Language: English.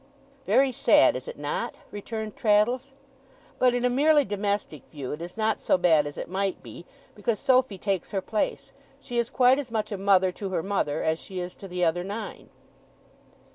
'Very sad, is it not?' returned Traddles. 'But in a merely domestic view it is not so bad as it might be, because Sophy takes her place. She is quite as much a mother to her mother, as she is to the other nine.